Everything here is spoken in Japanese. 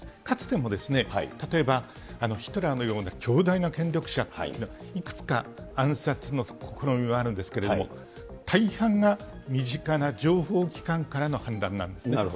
かつても、例えばヒトラーのような強大な権力者というのは、いくつか暗殺の試みはあるんですけれども、大半が身近な情報機関からの反乱なんですね。